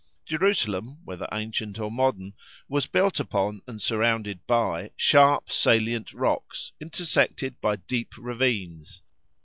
Jerusalem, whether ancient or modern, was built upon and surrounded by sharp, salient rocks intersected by deep ravines.